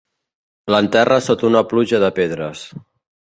L'enterra sota una pluja de pedres.